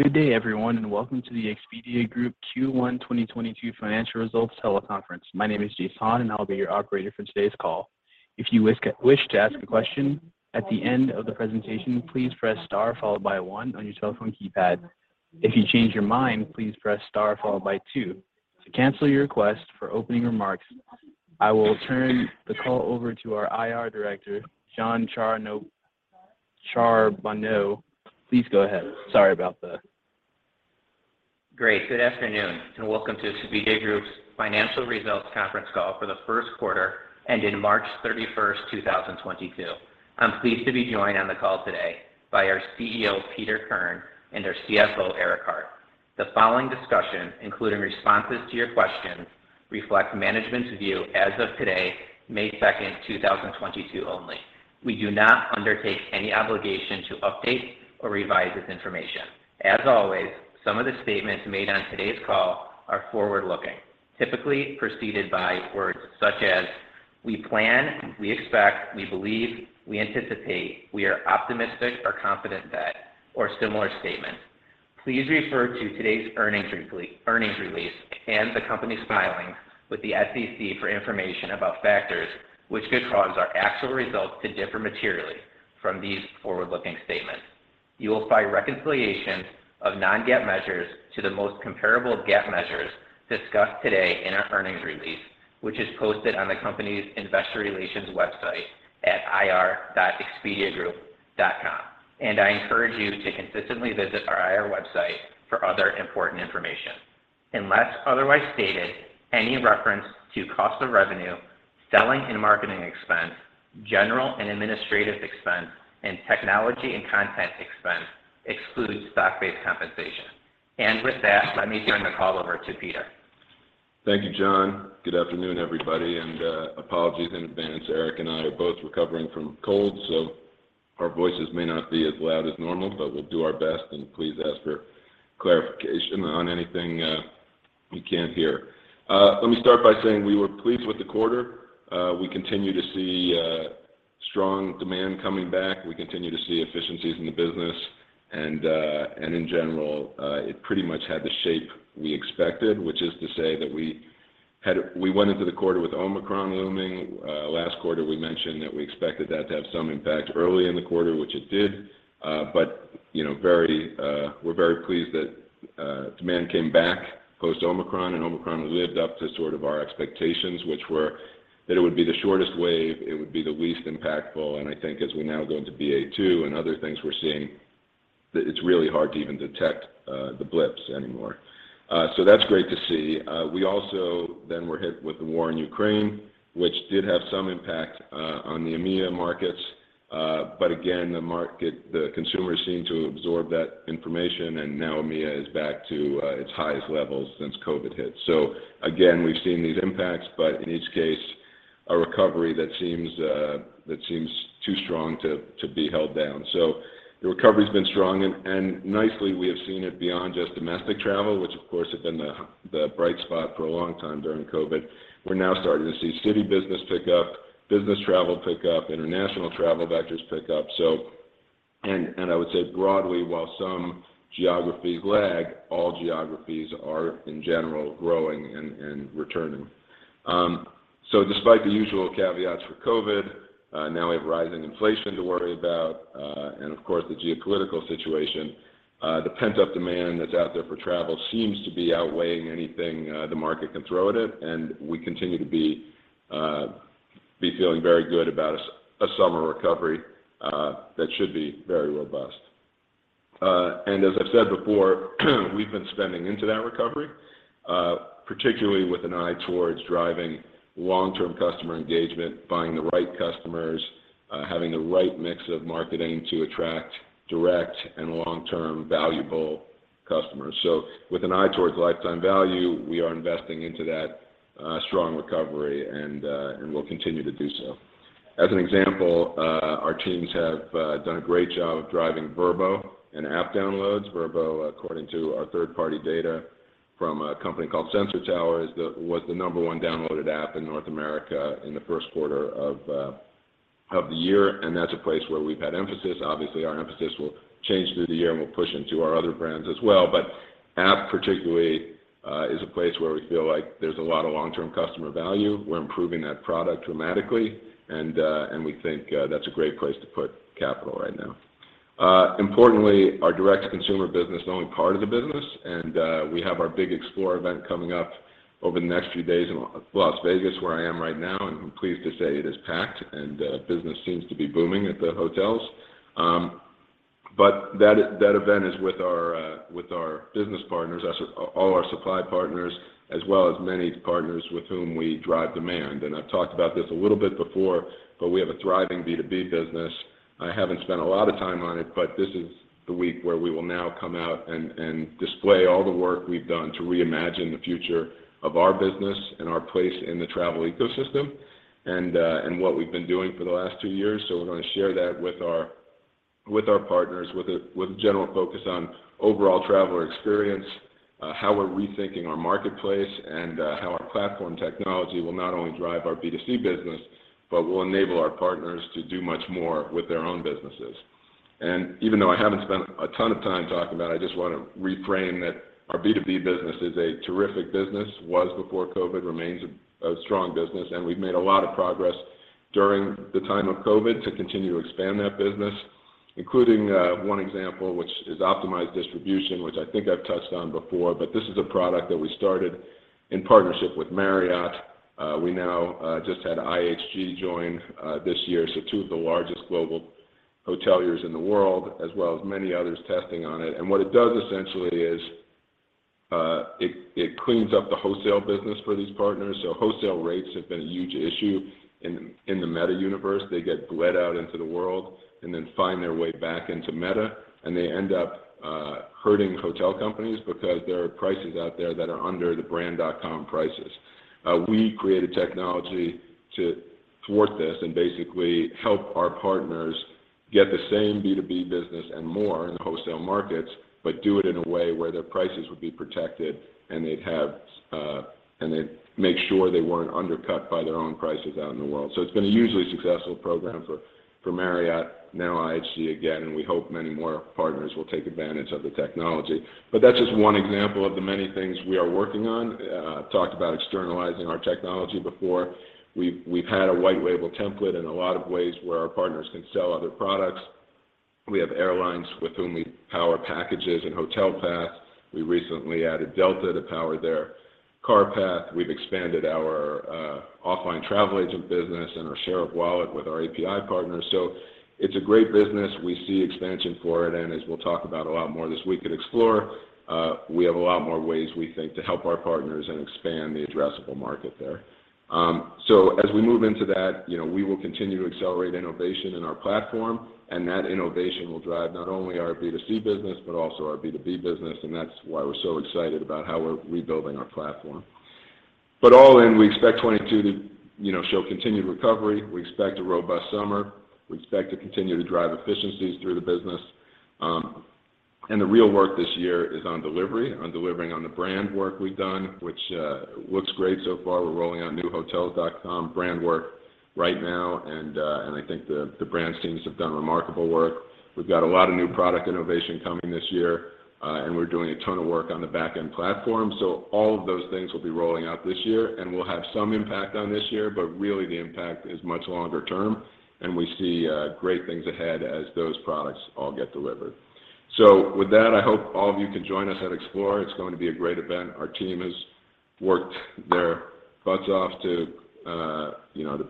Good day, everyone, and welcome to the Expedia Group Q1 2022 financial results teleconference. My name is Jason, and I'll be your operator for today's call. If you wish to ask a question at the end of the presentation, please press Star followed by one on your telephone keypad. If you change your mind, please press Star followed by two. I will turn the call over to our IR director, Jon Charbonneau. Please go ahead. Great. Good afternoon, and welcome to Expedia Group's financial results conference call for the first quarter ending March 31, 2022. I'm pleased to be joined on the call today by our CEO, Peter Kern, and our CFO, Eric Hart. The following discussion, including responses to your questions, reflects management's view as of today, May 2, 2022 only. We do not undertake any obligation to update or revise this information. As always, some of the statements made on today's call are forward-looking, typically preceded by words such as we plan, we expect, we believe, we anticipate, we are optimistic or confident that, or similar statements. Please refer to today's earnings release and the company's filings with the SEC for information about factors which could cause our actual results to differ materially from these forward-looking statements. You will find reconciliations of non-GAAP measures to the most comparable GAAP measures discussed today in our earnings release, which is posted on the company's investor relations website at ir.expediagroup.com. I encourage you to consistently visit our IR website for other important information. Unless otherwise stated, any reference to cost of revenue, selling and marketing expense, general and administrative expense, and technology and content expense excludes stock-based compensation. With that, let me turn the call over to Peter. Thank you, Jon. Good afternoon, everybody, and apologies in advance. Eric and I are both recovering from a cold, so our voices may not be as loud as normal, but we'll do our best, and please ask for clarification on anything you can't hear. Let me start by saying we were pleased with the quarter. We continue to see strong demand coming back. We continue to see efficiencies in the business. In general, it pretty much had the shape we expected, which is to say that we went into the quarter with Omicron looming. Last quarter, we mentioned that we expected that to have some impact early in the quarter, which it did. You know, we're very pleased that demand came back post Omicron, and Omicron lived up to sort of our expectations, which were that it would be the shortest wave, it would be the least impactful. I think as we now go into BA.2 and other things we're seeing, that it's really hard to even detect the blips anymore. That's great to see. We also then were hit with the war in Ukraine, which did have some impact on the EMEA markets. Again, the consumers seemed to absorb that information, and now EMEA is back to its highest levels since COVID hit. Again, we've seen these impacts, but in each case, a recovery that seems too strong to be held down. The recovery's been strong and nicely, we have seen it beyond just domestic travel, which of course had been the bright spot for a long time during COVID. We're now starting to see city business pick up, business travel pick up, international travel vectors pick up. I would say broadly, while some geographies lag, all geographies are, in general, growing and returning. Despite the usual caveats for COVID, now we have rising inflation to worry about, and of course the geopolitical situation. The pent-up demand that's out there for travel seems to be outweighing anything the market can throw at it, and we continue to be feeling very good about a summer recovery that should be very robust. As I've said before, we've been spending into that recovery, particularly with an eye towards driving long-term customer engagement, finding the right customers, having the right mix of marketing to attract direct and long-term valuable customers. With an eye towards lifetime value, we are investing into that strong recovery and will continue to do so. As an example, our teams have done a great job of driving Vrbo and app downloads. Vrbo, according to our third-party data from a company called Sensor Tower, was the number one downloaded app in North America in the first quarter of the year, and that's a place where we've had emphasis. Obviously, our emphasis will change through the year, and we'll push into our other brands as well. App particularly is a place where we feel like there's a lot of long-term customer value. We're improving that product dramatically, and we think that's a great place to put capital right now. Importantly, our direct-to-consumer business is only part of the business, and we have our big EXPLORE event coming up over the next few days in Las Vegas, where I am right now, and I'm pleased to say it is packed and business seems to be booming at the hotels. That event is with our business partners, as with all our supply partners, as well as many partners with whom we drive demand. I've talked about this a little bit before, but we have a thriving B2B business. I haven't spent a lot of time on it, but this is the week where we will now come out and display all the work we've done to reimagine the future of our business and our place in the travel ecosystem and what we've been doing for the last two years. We're gonna share that with our partners with a general focus on overall travel experience. How we're rethinking our marketplace and how our platform technology will not only drive our B2C business, but will enable our partners to do much more with their own businesses. Even though I haven't spent a ton of time talking about it, I just want to reframe that our B2B business is a terrific business, was before COVID, remains a strong business, and we've made a lot of progress during the time of COVID to continue to expand that business, including one example, which is Optimized Distribution, which I think I've touched on before, but this is a product that we started in partnership with Marriott. We now just had IHG join this year, so two of the largest global hoteliers in the world, as well as many others testing on it. What it does essentially is it cleans up the wholesale business for these partners. Wholesale rates have been a huge issue in the metasearch universe. They get bled out into the world and then find their way back into meta, and they end up hurting hotel companies because there are prices out there that are under the brand.com prices. We created technology to thwart this and basically help our partners get the same B2B business and more in the wholesale markets, but do it in a way where their prices would be protected and they'd make sure they weren't undercut by their own prices out in the world. It's been a hugely successful program for Marriott, now IHG again, and we hope many more partners will take advantage of the technology. That's just one example of the many things we are working on. I've talked about externalizing our technology before. We've had a white label template in a lot of ways where our partners can sell other products. We have airlines with whom we power packages and hotel paths. We recently added Delta to power their car path. We've expanded our offline travel agent business and our share of wallet with our API partners. It's a great business. We see expansion for it. As we'll talk about a lot more this week at Explore, we have a lot more ways we think to help our partners and expand the addressable market there. As we move into that, we will continue to accelerate innovation in our platform, and that innovation will drive not only our B2C business, but also our B2B business. That's why we're so excited about how we're rebuilding our platform. All in, we expect 2022 to show continued recovery. We expect a robust summer. We expect to continue to drive efficiencies through the business. The real work this year is on delivery, on delivering on the brand work we've done, which looks great so far. We're rolling out new Hotels.com brand work right now. I think the brand teams have done remarkable work. We've got a lot of new product innovation coming this year, and we're doing a ton of work on the back end platform. All of those things will be rolling out this year, and we'll have some impact on this year. Really, the impact is much longer term, and we see great things ahead as those products all get delivered. With that, I hope all of you can join us at EXPLORE. It's going to be a great event. Our team has worked their butts off to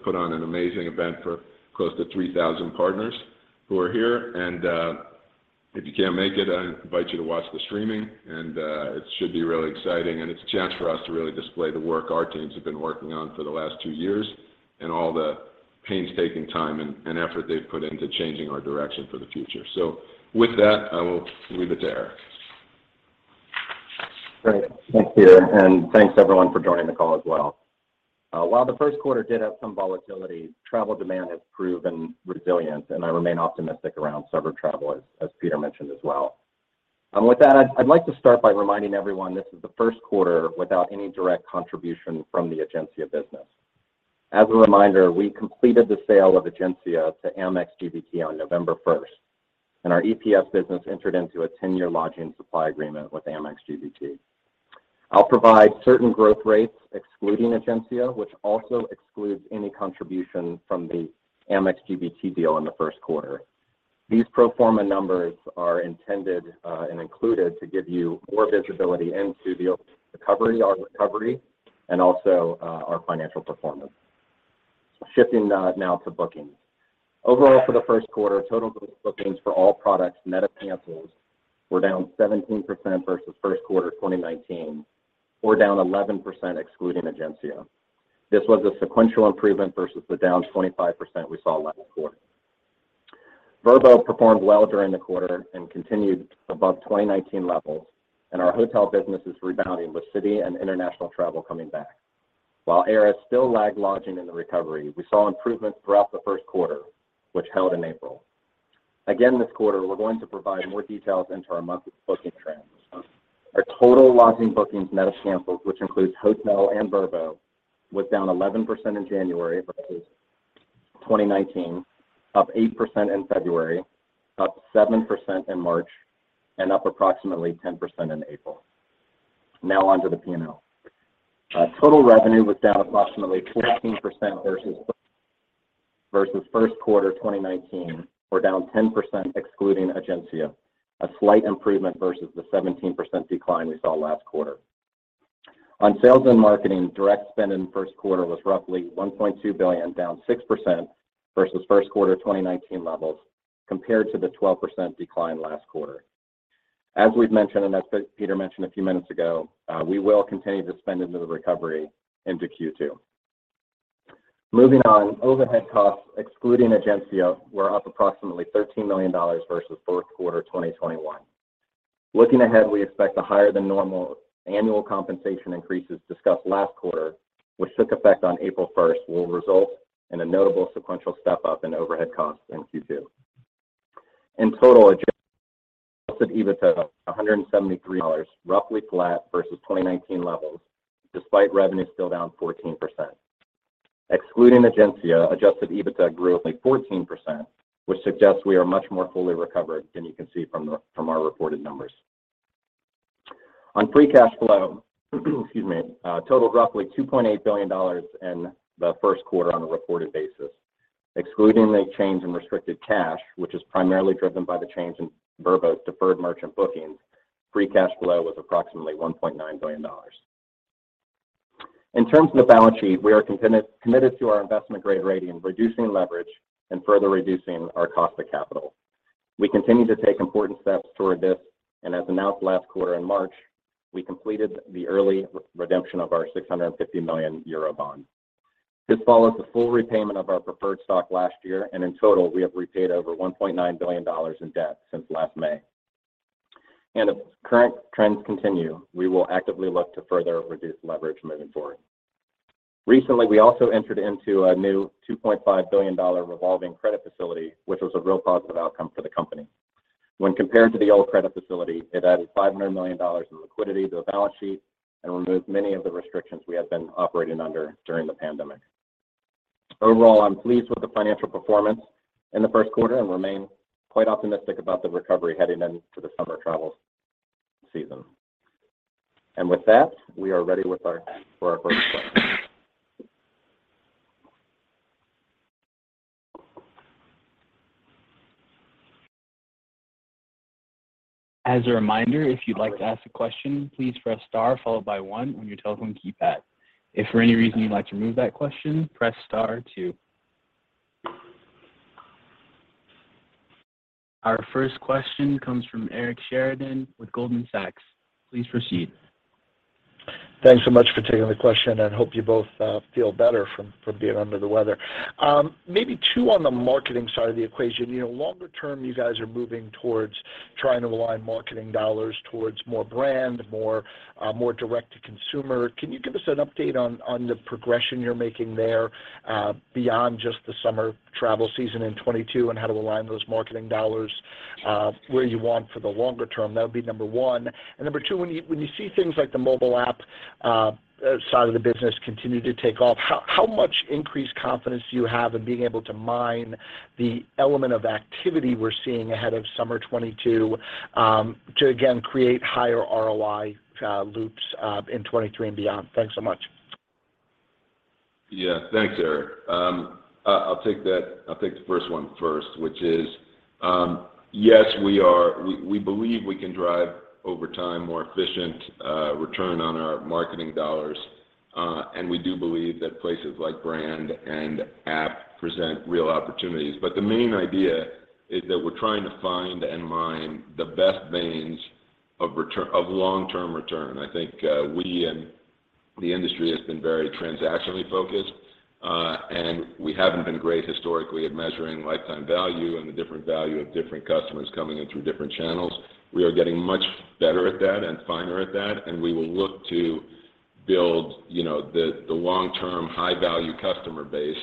put on an amazing event for close to 3,000 partners who are here. If you can't make it, I invite you to watch the streaming, and it should be really exciting. It's a chance for us to really display the work our teams have been working on for the last two years and all the painstaking time and effort they've put into changing our direction for the future. With that, I will leave it there. Great. Thanks, Peter. Thanks, everyone, for joining the call as well. While the first quarter did have some volatility, travel demand has proven resilient, and I remain optimistic around summer travel, as Peter mentioned as well. With that, I'd like to start by reminding everyone this is the first quarter without any direct contribution from the Egencia business. As a reminder, we completed the sale of Egencia to Amex GBT on November 1st, and our EPS business entered into a 10-year lodging supply agreement with Amex GBT. I'll provide certain growth rates excluding Egencia, which also excludes any contribution from the Amex GBT deal in the first quarter. These pro forma numbers are intended and included to give you more visibility into the recovery, our recovery, and also our financial performance. Shifting now to bookings. Overall for the first quarter, total bookings for all products net of cancels were down 17% versus Q1 2019 or down 11% excluding Egencia. This was a sequential improvement versus the down 25% we saw last quarter. Vrbo performed well during the quarter and continued above 2019 levels, and our hotel business is rebounding with city and international travel coming back. While air has still lagged lodging in the recovery, we saw improvements throughout the first quarter, which held in April. Again this quarter, we're going to provide more details into our monthly booking trends. Our total lodging bookings net of cancels, which includes hotel and Vrbo, was down 11% in January versus 2019, up 8% in February, up 7% in March, and up approximately 10% in April. Now on to the P&L. Total revenue was down approximately 14% versus first quarter 2019 or down 10% excluding Egencia, a slight improvement versus the 17% decline we saw last quarter. On sales and marketing, direct spend in the first quarter was roughly $1.2 billion, down 6% versus first quarter 2019 levels compared to the 12% decline last quarter. As we've mentioned, and as Peter mentioned a few minutes ago, we will continue to spend into the recovery into Q2. Moving on, overhead costs excluding Egencia were up approximately $13 million versus fourth quarter 2021. Looking ahead, we expect the higher than normal annual compensation increases discussed last quarter, which took effect on April 1, will result in a notable sequential step up in overhead costs in Q2. In total, Adjusted EBITDA $173 million, roughly flat versus 2019 levels, despite revenue still down 14%. Excluding Egencia, Adjusted EBITDA grew 14%, which suggests we are much more fully recovered than you can see from our reported numbers. On free cash flow, excuse me, totaled roughly $2.8 billion in the first quarter on a reported basis. Excluding the change in restricted cash, which is primarily driven by the change in Vrbo's deferred merchant bookings, free cash flow was approximately $1.9 billion. In terms of the balance sheet, we are committed to our investment-grade rating, reducing leverage, and further reducing our cost of capital. We continue to take important steps toward this, and as announced last quarter in March, we completed the early redemption of our 650 million euro bond. This follows the full repayment of our preferred stock last year, and in total, we have repaid over $1.9 billion in debt since last May. If current trends continue, we will actively look to further reduce leverage moving forward. Recently, we also entered into a new $2.5 billion revolving credit facility, which was a real positive outcome for the company. When compared to the old credit facility, it added $500 million in liquidity to the balance sheet and removed many of the restrictions we had been operating under during the pandemic. Overall, I'm pleased with the financial performance in the first quarter and remain quite optimistic about the recovery heading into the summer travel season. With that, we are ready for our question queue. As a reminder, if you'd like to ask a question, please press star followed by one on your telephone keypad. If for any reason you'd like to remove that question, press star two. Our first question comes from Eric Sheridan with Goldman Sachs. Please proceed. Thanks so much for taking the question, and hope you both feel better from being under the weather. Maybe too on the marketing side of the equation. You know, longer term, you guys are moving towards trying to align marketing dollars towards more brand, more direct to consumer. Can you give us an update on the progression you're making there, beyond just the summer travel season in 2022 and how to align those marketing dollars where you want for the longer term? That would be number one. Number two, when you see things like the mobile app side of the business continue to take off, how much increased confidence do you have in being able to mine the element of activity we're seeing ahead of summer 2022, to again create higher ROI loops in 2023 and beyond? Thanks so much. Yeah. Thanks, Eric. I'll take the first one first, which is, yes, we believe we can drive over time more efficient return on our marketing dollars, and we do believe that places like brand and app present real opportunities. The main idea is that we're trying to find and mine the best veins of long-term return. I think, we and the industry has been very transactionally focused, and we haven't been great historically at measuring lifetime value and the different value of different customers coming in through different channels. We are getting much better at that and finer at that, and we will look to build, you know, the long-term high-value customer base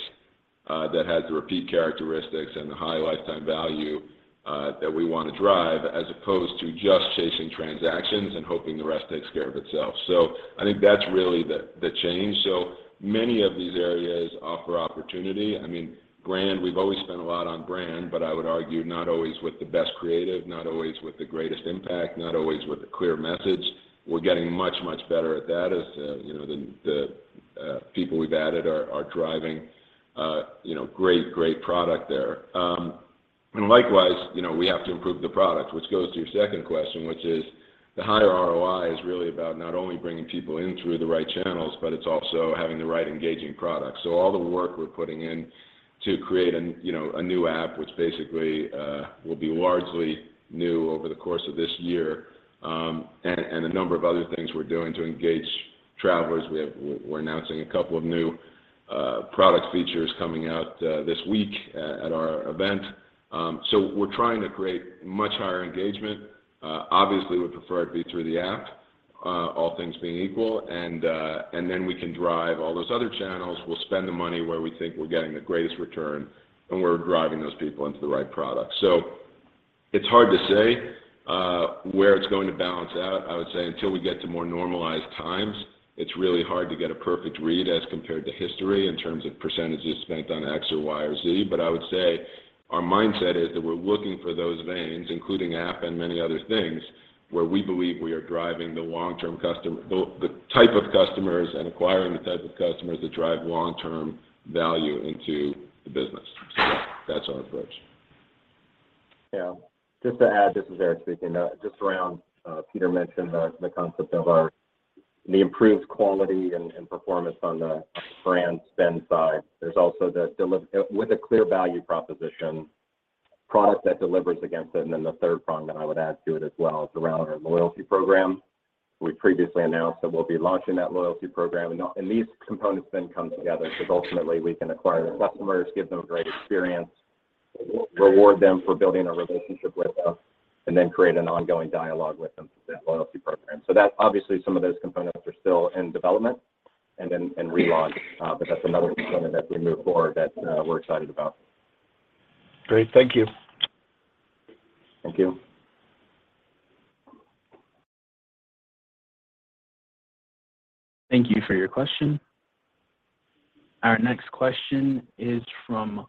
that has the repeat characteristics and the high lifetime value that we wanna drive, as opposed to just chasing transactions and hoping the rest takes care of itself. I think that's really the change. Many of these areas offer opportunity. I mean, brand, we've always spent a lot on brand, but I would argue not always with the best creative, not always with the greatest impact, not always with a clear message. We're getting much better at that as you know, the people we've added are driving you know, great product there. Likewise, you know, we have to improve the product, which goes to your second question, which is the higher ROI is really about not only bringing people in through the right channels, but it's also having the right engaging product. All the work we're putting in to create you know, a new app, which basically will be largely new over the course of this year, and a number of other things we're doing to engage travelers. We're announcing a couple of new product features coming out this week at our event. We're trying to create much higher engagement. Obviously, we prefer it be through the app, all things being equal, and then we can drive all those other channels. We'll spend the money where we think we're getting the greatest return, and we're driving those people into the right product. It's hard to say where it's going to balance out. I would say until we get to more normalized times, it's really hard to get a perfect read as compared to history in terms of percentages spent on X or Y or Z. I would say our mindset is that we're looking for those veins, including app and many other things, where we believe we are driving the type of customers and acquiring the type of customers that drive long-term value into the business. That's our approach. Yeah. Just to add, this is Eric speaking. Just around, Peter mentioned the concept of the improved quality and performance on the brand spend side. There's also with a clear value proposition, product that delivers against it, and then the third prong that I would add to it as well is around our loyalty program. We previously announced that we'll be launching that loyalty program. These components then come together because ultimately, we can acquire the customers, give them a great experience, reward them for building a relationship with us. Create an ongoing dialogue with them through that loyalty program. That's obviously some of those components are still in development and relaunch. That's another component as we move forward that we're excited about. Great. Thank you. Thank you. Thank you for your question. Our next question is from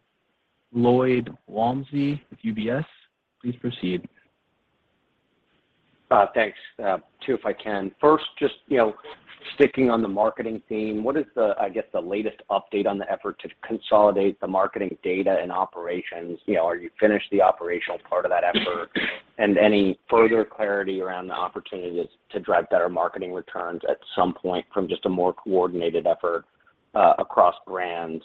Lloyd Walmsley with UBS. Please proceed. Thanks. Two, if I can. First, just, you know, sticking on the marketing theme, what is the, I guess, the latest update on the effort to consolidate the marketing data and operations? You know, are you finished the operational part of that effort? Any further clarity around the opportunities to drive better marketing returns at some point from just a more coordinated effort across brands?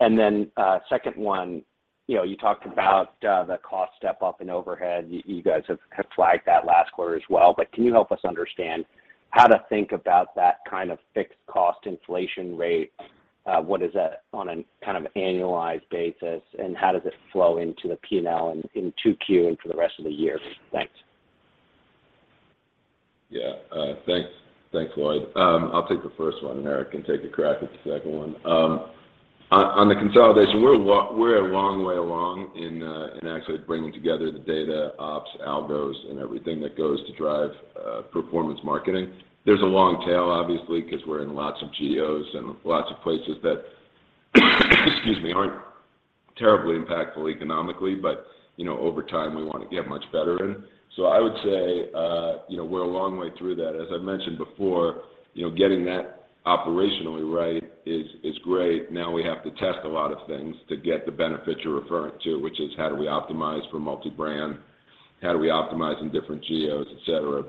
Second one, you know, you talked about the cost step-up in overhead. You guys have flagged that last quarter as well. But can you help us understand how to think about that kind of fixed cost inflation rate? What is that on a kind of annualized basis, and how does it flow into the P&L in 2Q and for the rest of the year? Thanks. Yeah. Thanks. Thanks, Lloyd. I'll take the first one, and Eric can take a crack at the second one. On the consolidation, we're a long way along in actually bringing together the data ops, algos, and everything that goes to drive performance marketing. There's a long tail, obviously, 'cause we're in lots of geos and lots of places that, excuse me, aren't terribly impactful economically, but you know, over time, we wanna get much better in. I would say, you know, we're a long way through that. As I mentioned before, you know, getting that operationally right is great. Now we have to test a lot of things to get the benefit you're referring to, which is how do we optimize for multi-brand? How do we optimize in different geos, et cetera?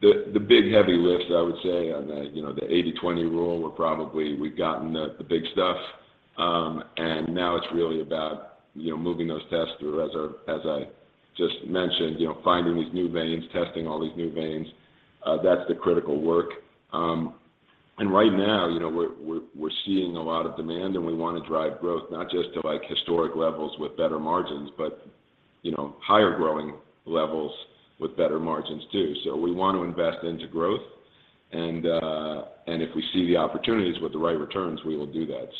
The big heavy lifts, I would say, on the, you know, the 80/20 rule, we've gotten the big stuff. Now it's really about, you know, moving those tests through as I just mentioned, you know, finding these new veins, testing all these new veins. That's the critical work. Right now, you know, we're seeing a lot of demand, and we wanna drive growth, not just to, like, historic levels with better margins, but, you know, higher growing levels with better margins too. We want to invest into growth and if we see the opportunities with the right returns, we will do that.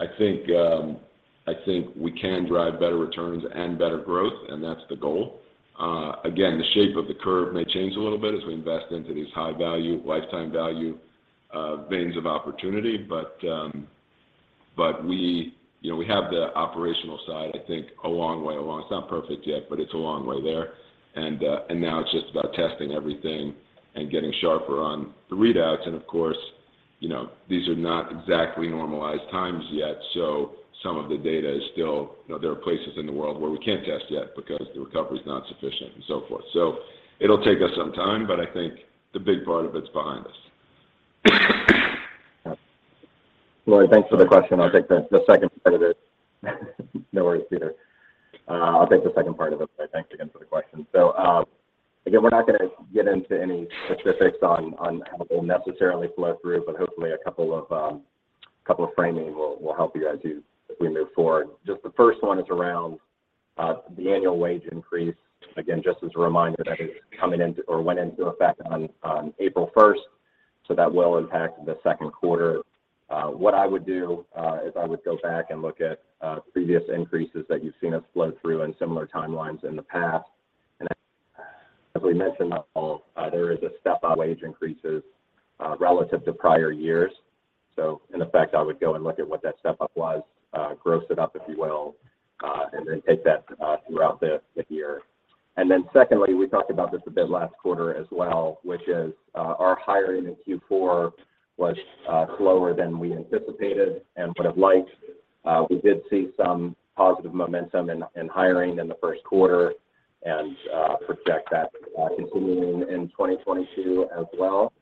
I think we can drive better returns and better growth, and that's the goal. Again, the shape of the curve may change a little bit as we invest into these high value, lifetime value, veins of opportunity, but we... You know, we have the operational side, I think, a long way along. It's not perfect yet, but it's a long way there. Now it's just about testing everything and getting sharper on the readouts. Of course, you know, these are not exactly normalized times yet, so some of the data is still, you know, there are places in the world where we can't test yet because the recovery is not sufficient and so forth. So it'll take us some time, but I think the big part of it's behind us. Lloyd, thanks for the question. I'll take the second part of it. No worries, Peter. I'll take the second part of it, but thanks again for the question. Again, we're not gonna get into any specifics on how they'll necessarily flow through, but hopefully a couple of framing will help you guys as we move forward. Just the first one is around the annual wage increase. Again, just as a reminder that is coming into or went into effect on April first, so that will impact the second quarter. What I would do is I would go back and look at previous increases that you've seen us flow through in similar timelines in the past. As we mentioned on the call, there is a step on wage increases relative to prior years. In effect, I would go and look at what that step-up was, gross it up, if you will, and then take that throughout the year. Secondly, we talked about this a bit last quarter as well, which is our hiring in Q4 was slower than we anticipated and would have liked. We did see some positive momentum in hiring in the first quarter and project that continuing in 2022 as well.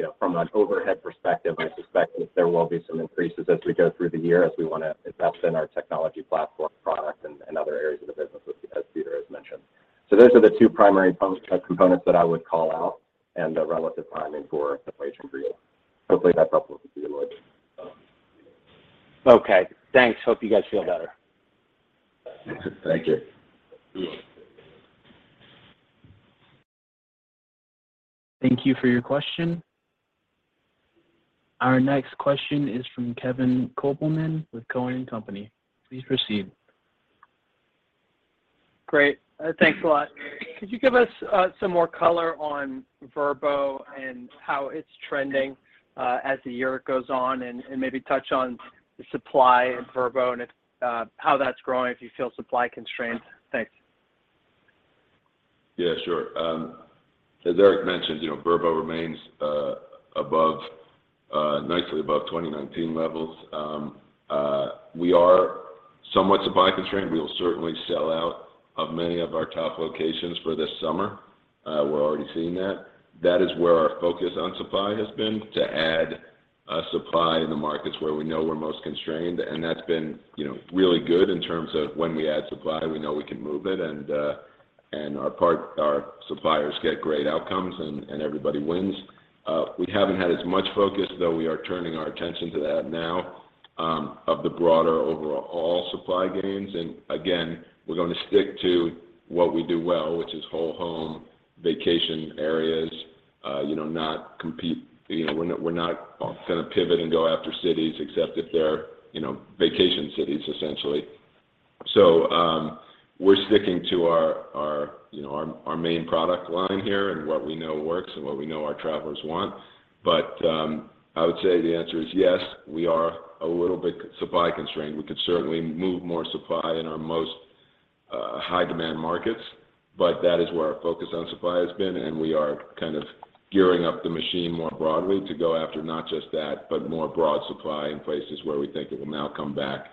You know, from an overhead perspective, I suspect that there will be some increases as we go through the year as we wanna invest in our technology platform product and other areas of the business as Peter has mentioned. Those are the two primary components that I would call out and the relative timing for the wage increase. Hopefully, that's helpful to you, Lloyd. Okay. Thanks. Hope you guys feel better. Thank you. Thank you for your question. Our next question is from Kevin Kopelman with Cowen and Company. Please proceed. Great. Thanks a lot. Could you give us some more color on Vrbo and how it's trending as the year goes on, and maybe touch on the supply of Vrbo and how that's growing, if you feel supply constrained? Thanks. Yeah, sure. As Eric mentioned, you know, Vrbo remains nicely above 2019 levels. We are somewhat supply constrained. We will certainly sell out of many of our top locations for this summer. We're already seeing that. That is where our focus on supply has been, to add supply in the markets where we know we're most constrained. That's been, you know, really good in terms of when we add supply, we know we can move it and our suppliers get great outcomes and everybody wins. We haven't had as much focus, though we are turning our attention to that now, of the broader overall supply gains. Again, we're gonna stick to what we do well, which is whole home vacation areas, you know, not compete. You know, we're not gonna pivot and go after cities except if they're, you know, vacation cities essentially. We're sticking to our, you know, our main product line here and what we know works and what we know our travelers want. I would say the answer is yes, we are a little bit supply constrained. We could certainly move more supply in our most high-demand markets, but that is where our focus on supply has been, and we are kind of gearing up the machine more broadly to go after not just that, but more broad supply in places where we think it will now come back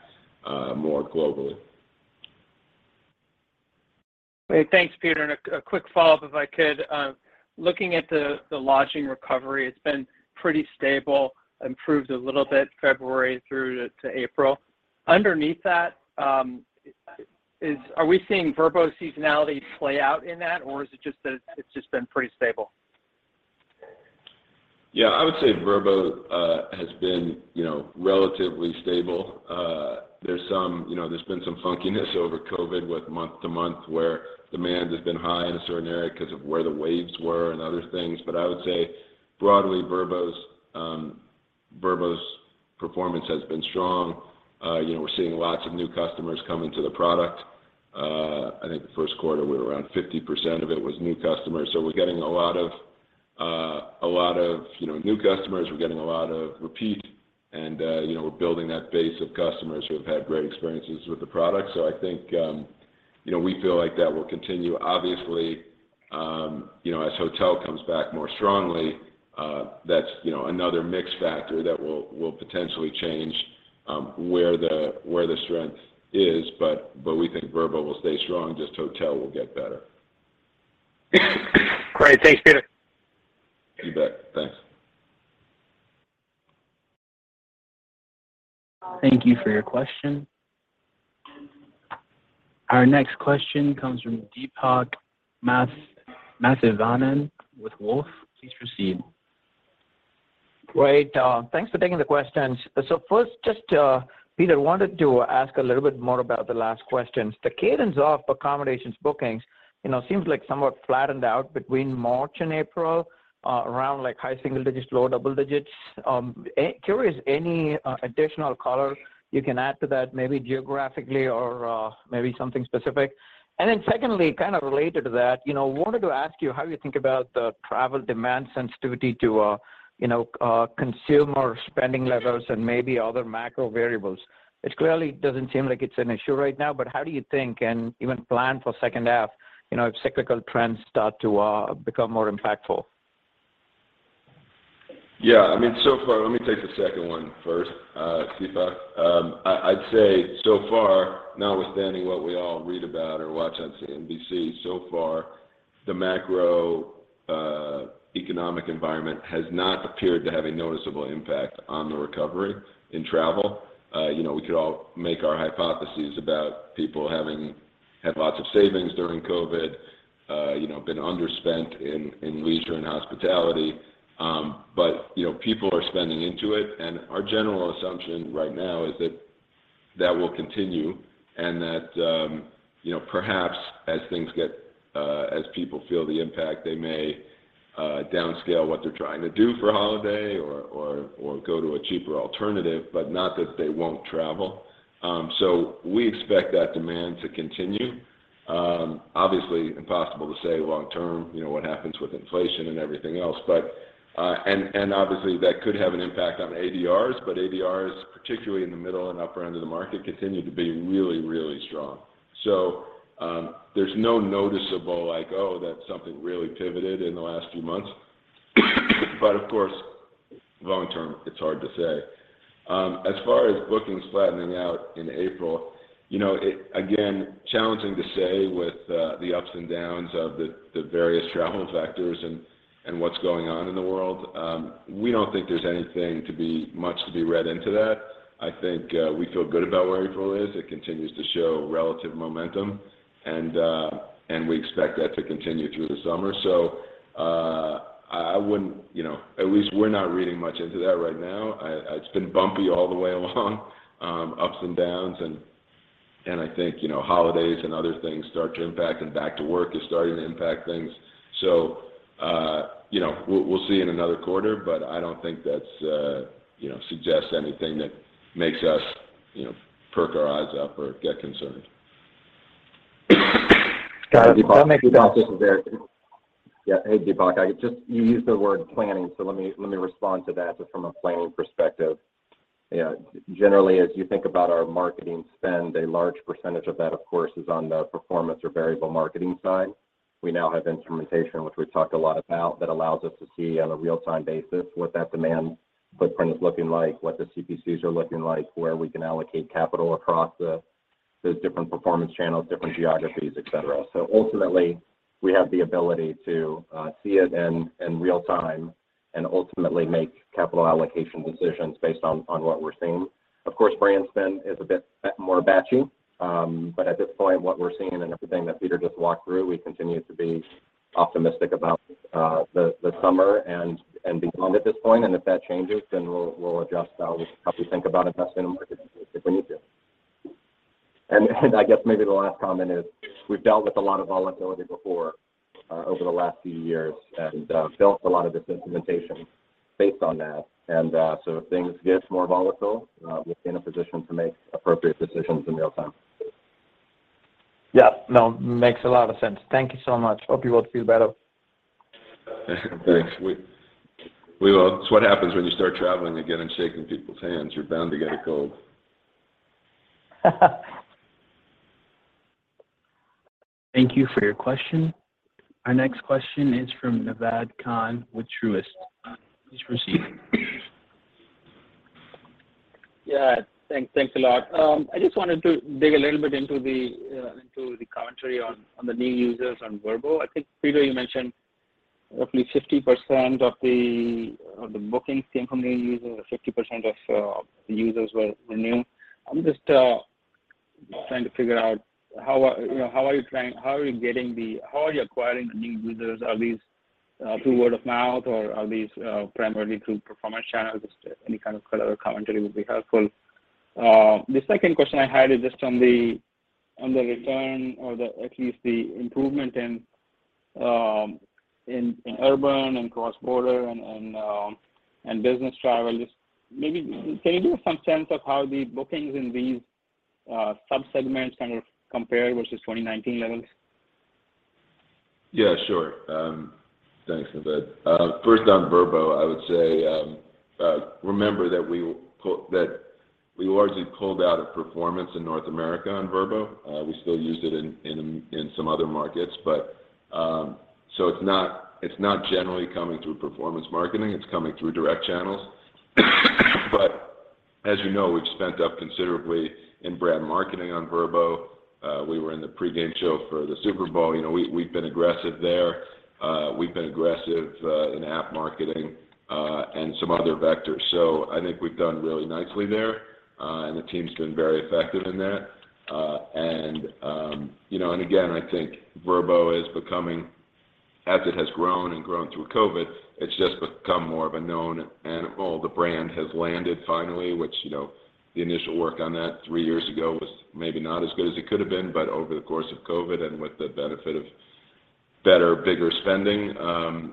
more globally. Great. Thanks, Peter. A quick follow-up if I could. Looking at the lodging recovery, it's been pretty stable, improved a little bit February through to April. Underneath that, are we seeing Vrbo seasonality play out in that, or is it just that it's just been pretty stable? Yeah. I would say Vrbo has been, you know, relatively stable. You know, there's been some funkiness over COVID with month-to-month, where demand has been high in a certain area 'cause of where the waves were and other things. I would say broadly, Vrbo's performance has been strong. You know, we're seeing lots of new customers come into the product. I think the first quarter we were around 50% of it was new customers. We're getting a lot of, you know, new customers, we're getting a lot of repeat and, you know, we're building that base of customers who have had great experiences with the product. I think, you know, we feel like that will continue. Obviously, you know, as hotel comes back more strongly, that's, you know, another mix factor that will potentially change, where the strength is, but we think Vrbo will stay strong, just hotel will get better. Great. Thanks, Peter. You bet. Thanks. Thank you for your question. Our next question comes from Deepak Mathivanan with Wolfe. Please proceed. Great. Thanks for taking the questions. First, just, Peter, wanted to ask a little bit more about the last questions. The cadence of accommodations bookings, you know, seems like somewhat flattened out between March and April, around like high single digits, low double digits. I'm curious any additional color you can add to that, maybe geographically or, maybe something specific. Secondly, kind of related to that, you know, wanted to ask you how you think about the travel demand sensitivity to, you know, consumer spending levels and maybe other macro variables. It clearly doesn't seem like it's an issue right now, but how do you think and even plan for second half, you know, if cyclical trends start to become more impactful? Yeah. I mean, so far. Let me take the second one first, Deepak. I'd say so far, notwithstanding what we all read about or watch on CNBC, so far the macroeconomic environment has not appeared to have a noticeable impact on the recovery in travel. You know, we could all make our hypotheses about people having had lots of savings during COVID, you know, been underspent in leisure and hospitality. But, you know, people are spending into it, and our general assumption right now is that that will continue and that, you know, perhaps as things get, as people feel the impact, they may downscale what they're trying to do for a holiday or go to a cheaper alternative, but not that they won't travel. We expect that demand to continue. Obviously impossible to say long term, you know, what happens with inflation and everything else, but, and obviously, that could have an impact on ADR, but ADR, particularly in the middle and upper end of the market, continue to be really, really strong. There's no noticeable like, "Oh, that's something really pivoted in the last few months." Of course, long term, it's hard to say. As far as bookings flattening out in April, you know, it's again challenging to say with the ups and downs of the various travel factors and what's going on in the world. We don't think there's much to be read into that. I think we feel good about where April is. It continues to show relative momentum, and we expect that to continue through the summer. I wouldn't, you know. At least we're not reading much into that right now. It's been bumpy all the way along, ups and downs and I think, you know, holidays and other things start to impact and back to work is starting to impact things. You know, we'll see in another quarter, but I don't think that's, you know, suggests anything that makes us, you know, perk our eyes up or get concerned. Deepak This is Eric. Yeah. Hey, Deepak. You used the word planning, so let me respond to that just from a planning perspective. Yeah. Generally, as you think about our marketing spend, a large percentage of that, of course, is on the performance or variable marketing side. We now have instrumentation, which we've talked a lot about, that allows us to see on a real-time basis what that demand footprint is looking like, what the CPCs are looking like, where we can allocate capital across the different performance channels, different geographies, et cetera. Ultimately, we have the ability to see it in real time and ultimately make capital allocation decisions based on what we're seeing. Of course, brand spend is a bit more batchy. At this point, what we're seeing and everything that Peter just walked through, we continue to be optimistic about the summer and beyond at this point. If that changes then we'll adjust how we think about investing in marketing if we need to. I guess maybe the last comment is we've dealt with a lot of volatility before over the last few years and built a lot of this implementation based on that. If things get more volatile, we're in a position to make appropriate decisions in real time. Yeah. No, makes a lot of sense. Thank you so much. Hope you both feel better. Thanks. We will. It's what happens when you start traveling again and shaking people's hands, you're bound to get a cold. Thank you for your question. Our next question is from Naved Khan with Truist. Please proceed. Yeah. Thanks. Thanks a lot. I just wanted to dig a little bit into the commentary on the new users on Vrbo. I think, Peter, you mentioned roughly 50% of the bookings came from new users or 50% of the users were new. I'm just trying to figure out how are you acquiring the new users? Are these through word of mouth or are these primarily through performance channels? Just any kind of color or commentary would be helpful. The second question I had is just on the return or at least the improvement in urban and cross-border and business travel. Just maybe can you give some sense of how the bookings in these sub-segments kind of compare versus 2019 levels? Yeah, sure. Thanks, Naved. First on Vrbo, I would say, remember that we largely pulled out of performance in North America on Vrbo. We still use it in some other markets, but it's not generally coming through performance marketing, it's coming through direct channels. But as you know, we've spent up considerably in brand marketing on Vrbo. We were in the pregame show for the Super Bowl. You know, we've been aggressive there. We've been aggressive in app marketing and some other vectors. I think we've done really nicely there, and the team's been very effective in that. You know, again, I think Vrbo is becoming. As it has grown and grown through COVID, it's just become more of a known animal. The brand has landed finally, which, you know, the initial work on that three years ago was maybe not as good as it could have been, but over the course of COVID and with the benefit of better, bigger spending,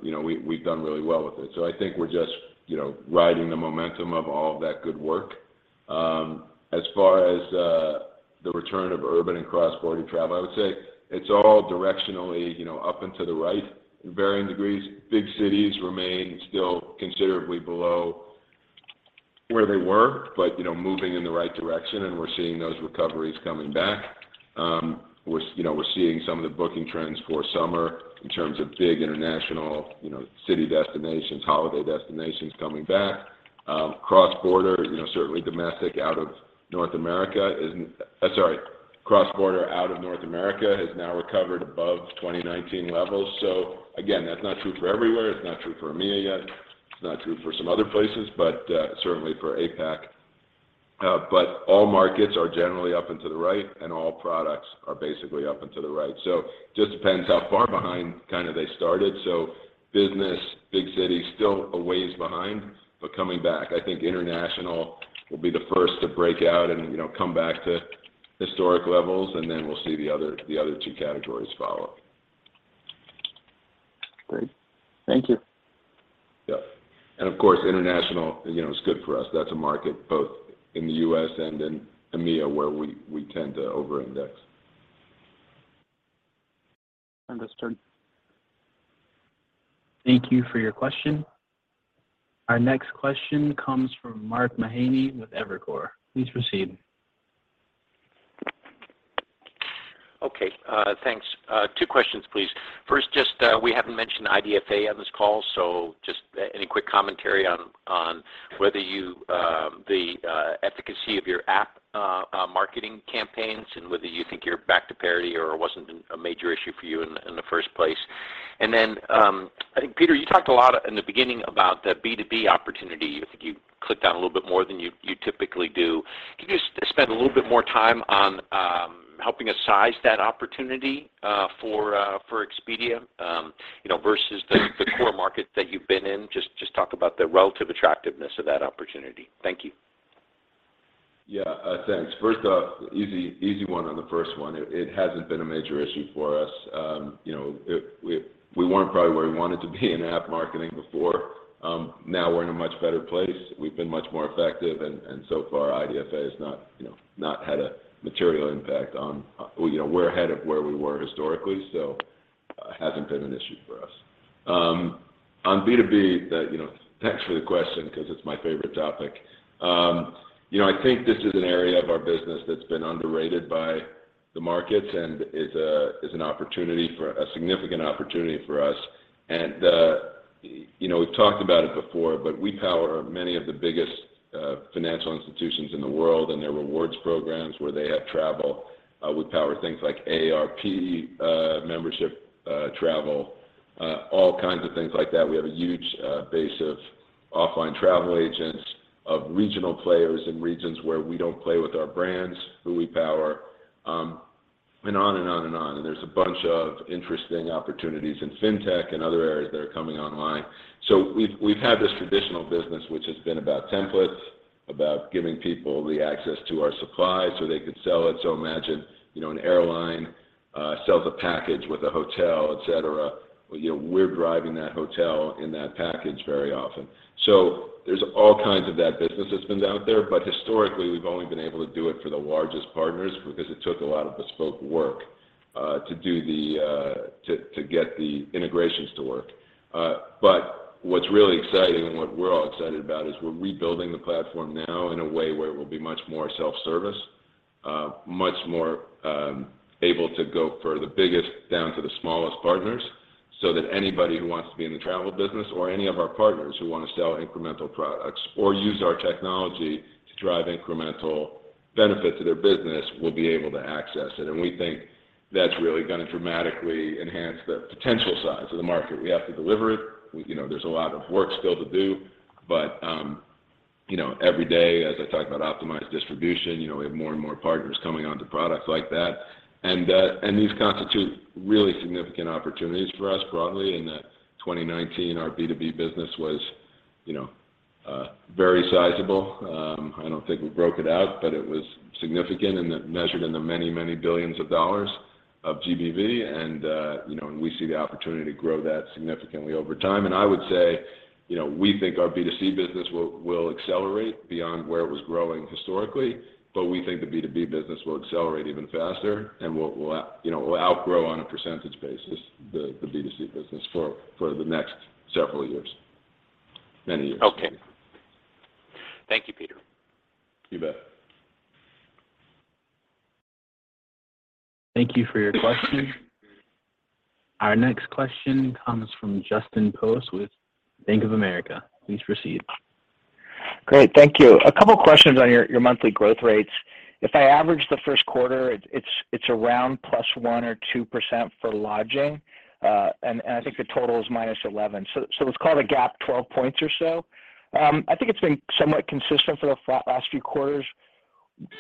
you know, we've done really well with it. I think we're just, you know, riding the momentum of all that good work. As far as the return of urban and cross-border travel, I would say it's all directionally, you know, up and to the right in varying degrees. Big cities remain still considerably below where they were, but, you know, moving in the right direction and we're seeing those recoveries coming back. We're, you know, seeing some of the booking trends for summer in terms of big international, you know, city destinations, holiday destinations coming back. Cross-border out of North America has now recovered above 2019 levels. Again, that's not true for everywhere. It's not true for EMEA yet. It's not true for some other places, but certainly for APAC. But all markets are generally up and to the right, and all products are basically up and to the right. Just depends how far behind kind of they started. Business, big city, still a ways behind, but coming back. I think international will be the first to break out and, you know, come back to historic levels and then we'll see the other two categories follow. Great. Thank you. Yeah. Of course, international, you know, is good for us. That's a market both in the U.S. and in EMEA where we tend to over-index. Understood. Thank you for your question. Our next question comes from Mark Mahaney with Evercore. Please proceed. Okay. Thanks. Two questions, please. First, just, we haven't mentioned IDFA on this call, so just any quick commentary on whether you the efficacy of your app marketing campaigns and whether you think you're back to parity or wasn't a major issue for you in the first place. Then, I think, Peter, you talked a lot in the beginning about the B2B opportunity. I think you clicked on it a little bit more than you typically do. Can you just spend a little bit more time on helping us size that opportunity for Expedia, you know, versus the core market that you've been in? Just talk about the relative attractiveness of that opportunity. Thank you. Yeah. Thanks. First off, easy one on the first one. It hasn't been a major issue for us. You know, we weren't probably where we wanted to be in app marketing before. Now we're in a much better place. We've been much more effective and so far IDFA has not had a material impact on it. You know, we're ahead of where we were historically, so hasn't been an issue for us. On B2B, you know. Thanks for the question because it's my favorite topic. You know, I think this is an area of our business that's been underrated by the markets, and is an opportunity for a significant opportunity for us. You know, we've talked about it before, but we power many of the biggest financial institutions in the world and their rewards programs where they have travel. We power things like AARP membership travel, all kinds of things like that. We have a huge base of offline travel agents, of regional players in regions where we don't play with our brands who we power, and on and on and on. There's a bunch of interesting opportunities in Fintech and other areas that are coming online. We've had this traditional business which has been about templates, about giving people the access to our supply so they could sell it. Imagine, you know, an airline sells a package with a hotel, et cetera. You know, we're driving that hotel in that package very often. There's all kinds of that business that's been out there, but historically we've only been able to do it for the largest partners because it took a lot of bespoke work to get the integrations to work. But what's really exciting and what we're all excited about is we're rebuilding the platform now in a way where it will be much more self-service, much more able to go for the biggest down to the smallest partners, so that anybody who wants to be in the travel business or any of our partners who wanna sell incremental products or use our technology to drive incremental benefit to their business will be able to access it. We think that's really gonna dramatically enhance the potential size of the market. We have to deliver it. You know, there's a lot of work still to do, but you know, every day as I talk about Optimized Distribution, you know, we have more and more partners coming onto products like that. These constitute really significant opportunities for us broadly in that 2019 our B2B business was, you know, very sizable. I don't think we broke it out, but it was significant and measured in the many, many billions of dollars of GBV and we see the opportunity to grow that significantly over time. I would say, you know, we think our B2C business will accelerate beyond where it was growing historically, but we think the B2B business will accelerate even faster and will outgrow on a percentage basis the B2C business for the next several years, many years. Okay. Thank you, Peter. You bet. Thank you for your question. Our next question comes from Justin Post with Bank of America. Please proceed. Great. Thank you. A couple questions on your monthly growth rates. If I average the first quarter, it's around 1+ or 2% for lodging, and I think the total is -11%. So let's call it a gap 12 points or so. I think it's been somewhat consistent for the last few quarters.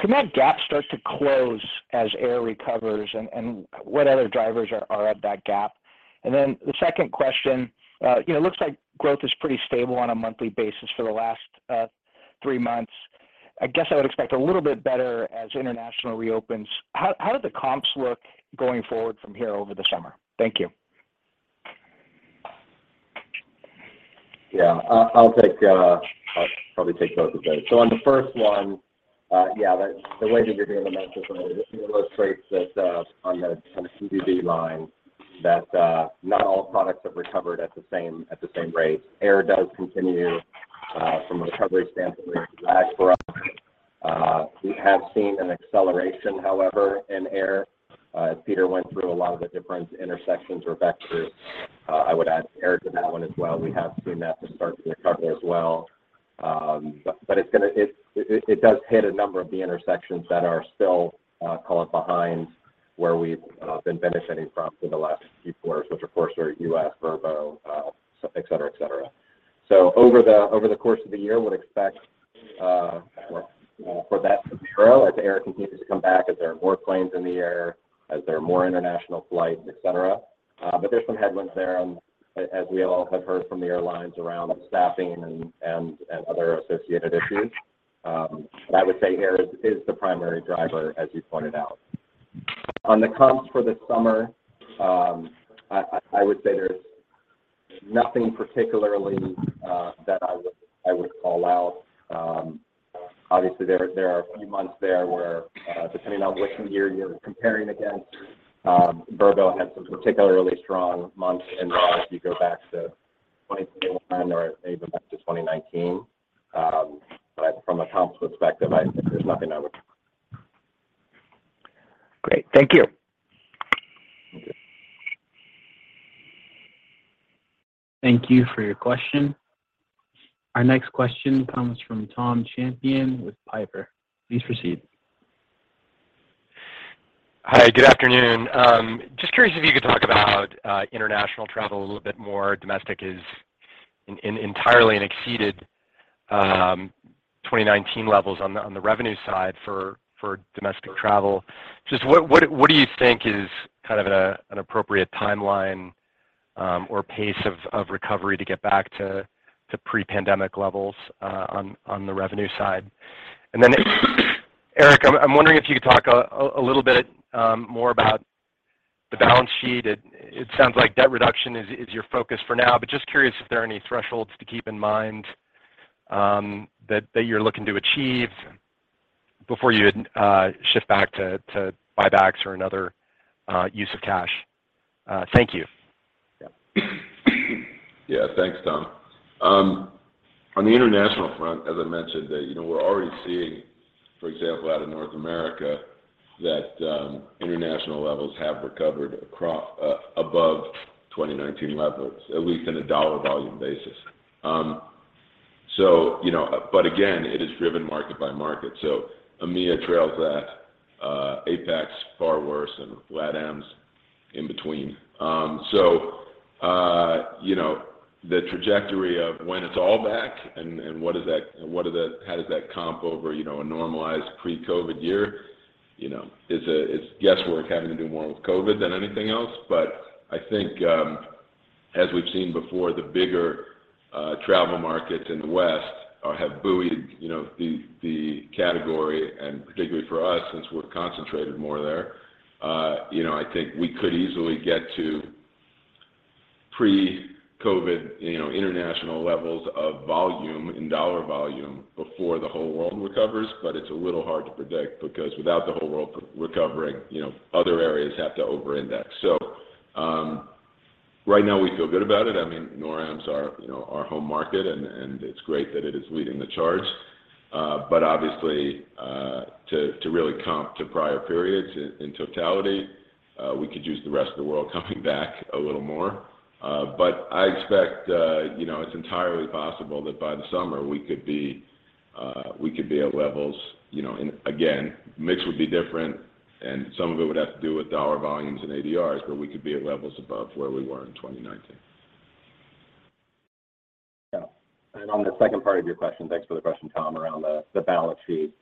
Can that gap start to close as air recovers and what other drivers are at that gap? And then the second question, you know, looks like growth is pretty stable on a monthly basis for the last three months. I guess I would expect a little bit better as international reopens. How do the comps look going forward from here over the summer? Thank you. Yeah. I'll take both of those. On the first one, yeah, the way that you're doing the math is right. It illustrates that on the kind of GBV line that not all products have recovered at the same rate. Air does continue from a recovery standpoint to lag for us. We have seen an acceleration, however, in air. Peter went through a lot of the different intersections or vectors. I would add air to that one as well. We have seen that to start to recover as well. It does hit a number of the intersections that are still call it behind where we've been benefiting from for the last few quarters, which of course are U.S., Vrbo, et cetera, et cetera. Over the course of the year, would expect for that to trail as air continues to come back, as there are more planes in the air, as there are more international flights, et cetera. There's some headwinds there, as we all have heard from the airlines around staffing and other associated issues. I would say air is the primary driver, as you pointed out. On the comps for the summer, I would say there's nothing particularly that I would call out. Obviously there are a few months there where, depending on which year you're comparing against, Vrbo had some particularly strong months in a row if you go back to 2021 or even back to 2019. From a comps perspective, I think there's nothing I would. Great. Thank you. Thank you. Thank you for your question. Our next question comes from Tom Champion with Piper. Please proceed. Hi. Good afternoon. Just curious if you could talk about international travel a little bit more. Domestic has entirely exceeded 2019 levels on the revenue side for domestic travel. Just what do you think is kind of an appropriate timeline or pace of recovery to get back to pre-pandemic levels on the revenue side? Eric, I'm wondering if you could talk a little bit more about the balance sheet. It sounds like debt reduction is your focus for now, but just curious if there are any thresholds to keep in mind that you're looking to achieve before you shift back to buybacks or another use of cash. Thank you. Yeah. Yeah. Thanks, Tom. On the international front, as I mentioned, you know, we're already seeing. For example, out of North America, international levels have recovered above 2019 levels, at least on a dollar volume basis. You know, but again, it is driven market by market. EMEA trails that, APAC's far worse, and LATAM's in between. You know, the trajectory of when it's all back and what does that, what are the, how does that comp over, you know, a normalized pre-COVID year, you know, is guesswork having to do more with COVID than anything else. I think, as we've seen before, the bigger travel markets in the West have buoyed, you know, the category and particularly for us since we're concentrated more there. You know, I think we could easily get to pre-COVID, you know, international levels of volume and dollar volume before the whole world recovers, but it's a little hard to predict because without the whole world recovering, you know, other areas have to over-index. Right now we feel good about it. I mean, NORAM's our, you know, our home market and it's great that it is leading the charge. Obviously, to really comp to prior periods in totality, we could use the rest of the world coming back a little more. I expect, you know, it's entirely possible that by the summer we could be at levels, you know. Again, mix would be different, and some of it would have to do with dollar volumes and ADR, but we could be at levels above where we were in 2019. Yeah. On the second part of your question, thanks for the question, Tom, around the balance sheet.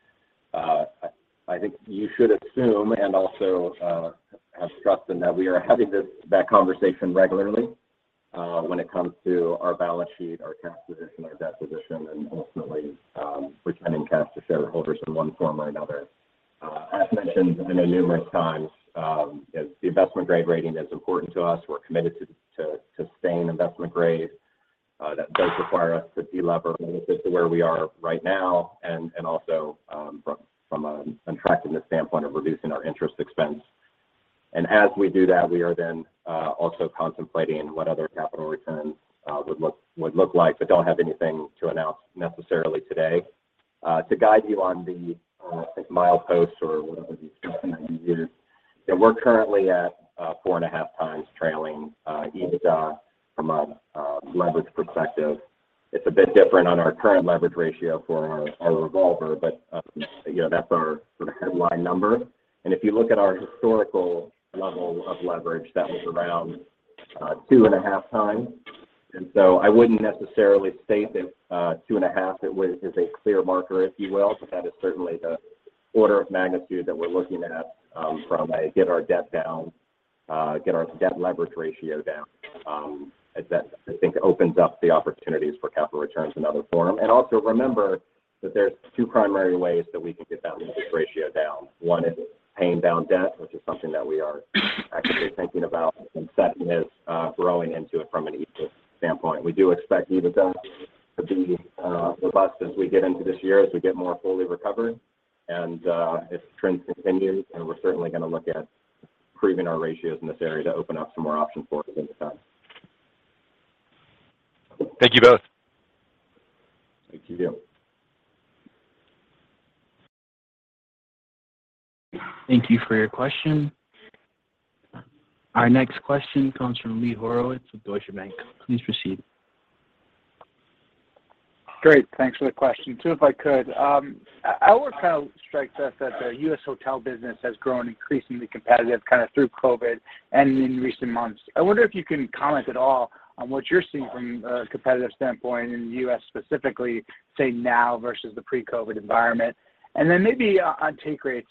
I think you should assume and also have trust in that we are having that conversation regularly when it comes to our balance sheet, our cash position, our debt position, and ultimately returning cash to shareholders in one form or another. As mentioned, I know numerous times, as the investment-grade rating is important to us, we're committed to sustain investment-grade, that does require us to delever just to where we are right now and also from a contracting standpoint of reducing our interest expense. As we do that, we are then also contemplating what other capital returns would look like, but don't have anything to announce necessarily today. To guide you on the milepost or whatever the term that you used, you know, we're currently at 4.5x trailing EBITDA from a leverage perspective. It's a bit different on our current leverage ratio for our revolver, but you know, that's our sort of headline number. If you look at our historical level of leverage, that was around 2.5x. I wouldn't necessarily state that 2.5 is a clear marker, if you will, but that is certainly the order of magnitude that we're looking at from a get our debt down, get our debt leverage ratio down, as that I think opens up the opportunities for capital returns in other form. Also remember that there's two primary ways that we can get that leverage ratio down. One is paying down debt, which is something that we are actively thinking about and setting this, growing into it from an EBIT standpoint. We do expect EBITDA to be robust as we get into this year, as we get more fully recovered. If trends continue, then we're certainly gonna look at improving our ratios in this area to open up some more options for us over time. Thank you both. Thank you. Thank you for your question. Our next question comes from Lee Horowitz with Deutsche Bank. Please proceed. Great. Thanks for the question. Too, if I could. It kind of strikes us that the U.S. hotel business has grown increasingly competitive kind of through COVID and in recent months. I wonder if you can comment at all on what you're seeing from a competitive standpoint in the U.S. specifically, say now versus the pre-COVID environment. Then maybe on take rates,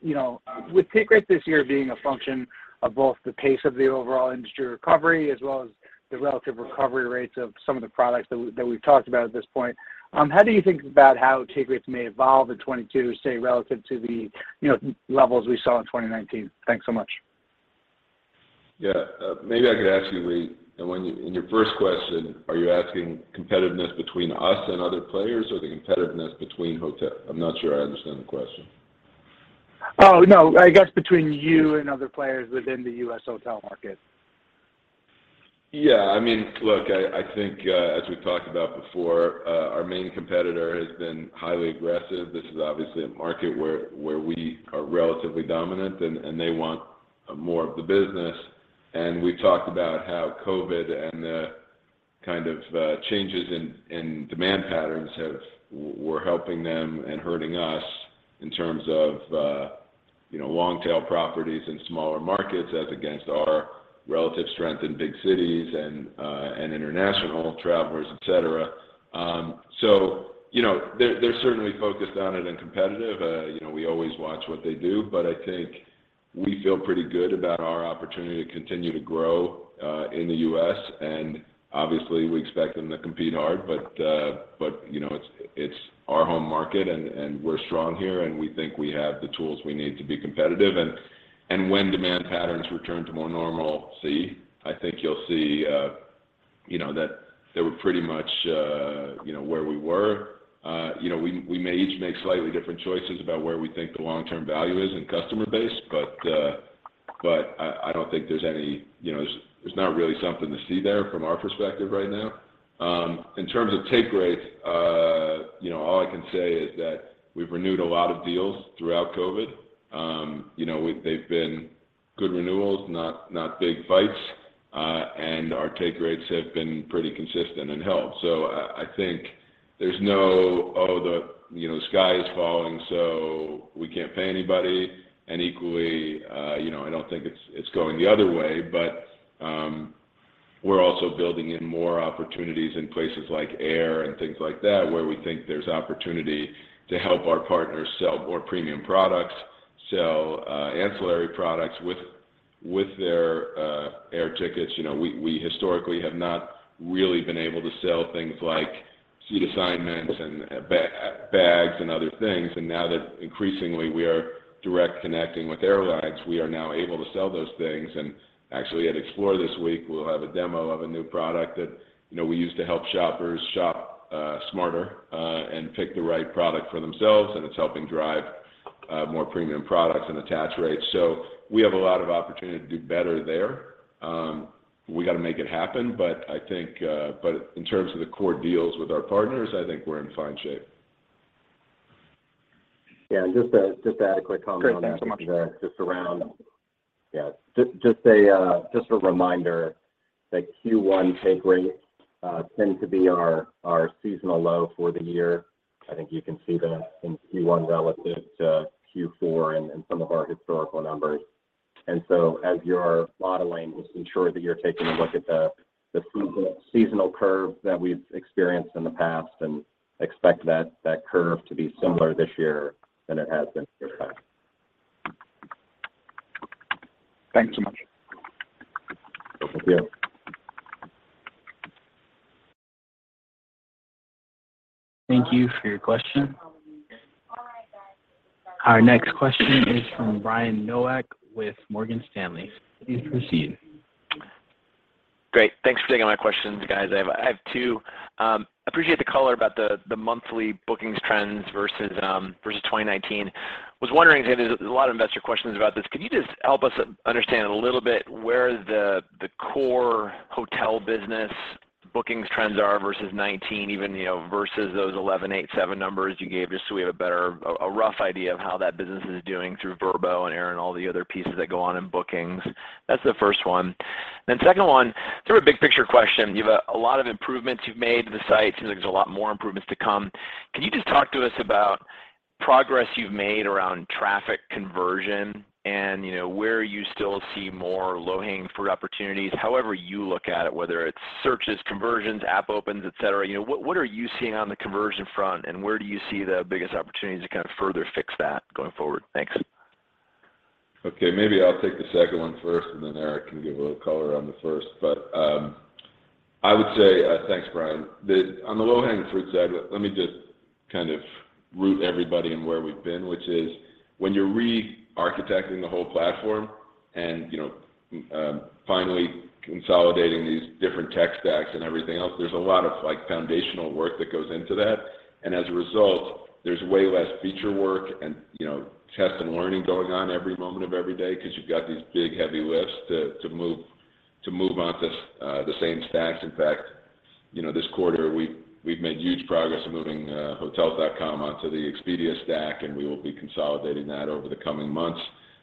you know, with take rates this year being a function of both the pace of the overall industry recovery as well as the relative recovery rates of some of the products that we've talked about at this point, how do you think about how take rates may evolve in 2022, say, relative to the, you know, levels we saw in 2019? Thanks so much. Maybe I could ask you, Lee. In your first question, are you asking competitiveness between us and other players or the competitiveness between hotels? I'm not sure I understand the question. Oh, no. I guess between you and other players within the U.S. hotel market. Yeah. I mean, look, I think as we've talked about before, our main competitor has been highly aggressive. This is obviously a market where we are relatively dominant and they want more of the business. We've talked about how COVID and the kind of changes in demand patterns were helping them and hurting us in terms of you know long tail properties in smaller markets as against our relative strength in big cities and international travelers, etc. You know, they're certainly focused on it and competitive. You know, we always watch what they do. I think we feel pretty good about our opportunity to continue to grow in the U.S. Obviously we expect them to compete hard, but you know, it's our home market and we're strong here, and we think we have the tools we need to be competitive. When demand patterns return to more normalcy, I think you'll see you know, that they were pretty much you know, where we were. You know, we may each make slightly different choices about where we think the long-term value is in customer base, but you know, there's not really something to see there from our perspective right now. In terms of take rates, you know, all I can say is that we've renewed a lot of deals throughout COVID. You know, they've been good renewals, not big fights, and our take rates have been pretty consistent and held. I think there's no, "Oh, you know, the sky is falling, so we can't pay anybody." Equally, you know, I don't think it's going the other way. We're also building in more opportunities in places like air and things like that, where we think there's opportunity to help our partners sell more premium products, sell ancillary products with their air tickets. You know, we historically have not really been able to sell things like seat assignments and bags and other things. Now that increasingly we are direct connecting with airlines, we are now able to sell those things. Actually at EXPLORE this week, we'll have a demo of a new product that, you know, we use to help shoppers shop smarter, and pick the right product for themselves, and it's helping drive more premium products and attach rates. We have a lot of opportunity to do better there. We got to make it happen, but I think in terms of the core deals with our partners, I think we're in fine shape. Yeah. Just to add a quick comment on that. Great. Thanks so much. Just a reminder that Q1 take rates tend to be our seasonal low for the year. I think you can see that in Q1 relative to Q4 and some of our historical numbers. As you're modeling, just ensure that you're taking a look at the seasonal curve that we've experienced in the past and expect that curve to be similar this year than it has been in the past. Thanks so much. Thank you. Thank you for your question. Our next question is from Brian Nowak with Morgan Stanley. Please proceed. Great. Thanks for taking my questions, guys. I have two. Appreciate the color about the monthly bookings trends versus 2019. Was wondering, because there's a lot of investor questions about this. Could you just help us understand a little bit where the core hotel business bookings trends are versus 2019 even, you know, versus those 11, eight, seven numbers you gave, just so we have a better, a rough idea of how that business is doing through Vrbo and air and all the other pieces that go on in bookings? That's the first one. Second one, sort of a big picture question. You have a lot of improvements you've made to the site. Seems like there's a lot more improvements to come. Can you just talk to us about progress you've made around traffic conversion and, you know, where you still see more low-hanging fruit opportunities, however you look at it, whether it's searches, conversions, app opens, et cetera. You know, what are you seeing on the conversion front, and where do you see the biggest opportunity to kind of further fix that going forward? Thanks. Okay. Maybe I'll take the second one first, and then Eric can give a little color on the first. I would say, thanks, Brian. On the low-hanging fruit side, let me just kind of root everybody in where we've been, which is when you're re-architecting the whole platform and, you know, finally consolidating these different tech stacks and everything else, there's a lot of, like, foundational work that goes into that. As a result, there's way less feature work and, you know, test and learning going on every moment of every day because you've got these big heavy lifts to move onto the same stacks. In fact, you know, this quarter, we've made huge progress moving Hotels.com onto the Expedia stack, and we will be consolidating that over the coming months.